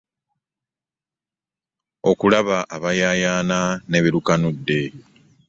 Okulaba abayaayaana ne be lukanudde.